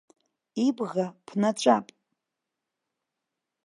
Ибӷа ԥнаҵәап.